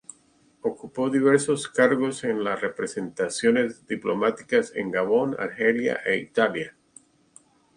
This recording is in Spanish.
Ocupó diversos cargos en la representaciones diplomáticas en Gabón, Argelia e Italia.